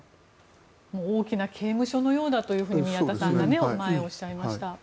もう大きな刑務所のようだと宮田さんが前におっしゃいました。